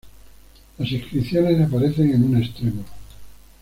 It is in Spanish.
Las inscripciones aparecen en un extremo.